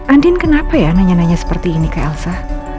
andin kenapa ya nanya nanya seperti ini ke elsa